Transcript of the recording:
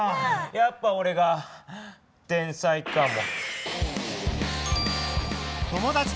やっぱおれが天才かも。